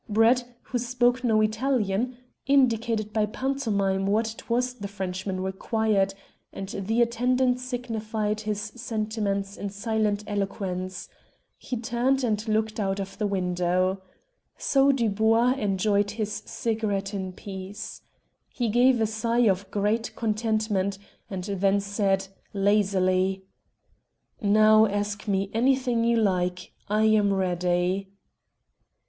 Brett, who spoke no Italian, indicated by pantomime what it was the Frenchman required, and the attendant signified his sentiments in silent eloquence he turned and looked out of the window. So Dubois enjoyed his cigarette in peace. He gave a sigh of great contentment, and then said, lazily "Now, ask me anything you like. I am ready."